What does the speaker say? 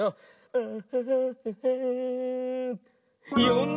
うん。